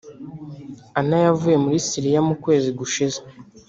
Annan yavuye muri Syria mu kwezi gushize